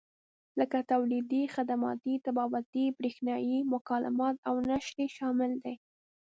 لکه تولیدي، خدماتي، طباعتي، برېښنایي مکالمات او نشر یې شامل دي.